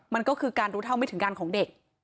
มันก็คือการรู้เท่าไม่ถึงการของเด็ก